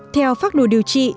theo pháp luật điều trị